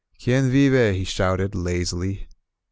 "Quien vive?" he shouted, lazily.